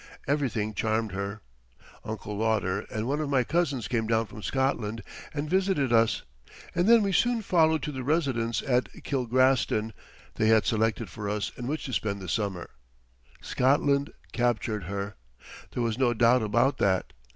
Everything charmed her. Uncle Lauder and one of my cousins came down from Scotland and visited us, and then we soon followed to the residence at Kilgraston they had selected for us in which to spend the summer. Scotland captured her. There was no doubt about that.